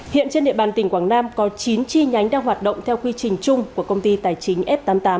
hiện trên địa bàn tỉnh quảng nam có chín chi nhánh đang hoạt động theo quy trình chung của công ty tài chính f tám mươi tám